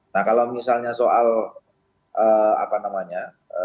nah kalau misalnya soal apa namanya